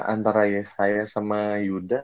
antara saya sama yuda